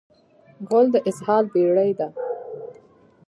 غول د اسهال بېړۍ ده.